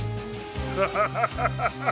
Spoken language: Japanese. ハハハハハ。